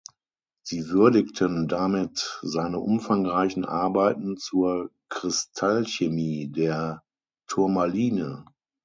Sie würdigten damit seine umfangreichen Arbeiten zur Kristallchemie der Turmaline.